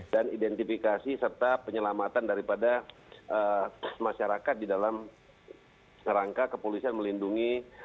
dan identifikasi serta penyelamatan daripada masyarakat di dalam rangka kepolisian melindungi